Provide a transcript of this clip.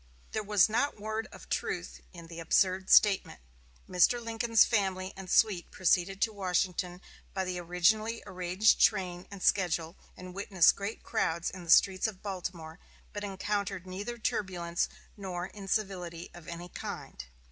There was not one word of truth in the absurd statement. Mr. Lincoln's family and suite proceeded to Washington by the originally arranged train and schedule, and witnessed great crowds in the streets of Baltimore, but encountered neither turbulence nor incivility of any kind.